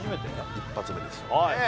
一発目ですよね